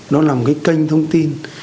nó là một cái kênh thông tin